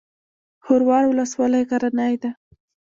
خروار ولسوالۍ غرنۍ ده؟